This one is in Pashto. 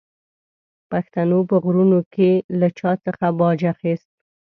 پښتنو په غرونو کې له چا څخه باج اخیست.